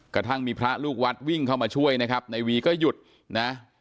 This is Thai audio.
กระทั่งมีพระลูกวัดวิ่งเข้ามาช่วยนะครับในวีก็หยุดนะ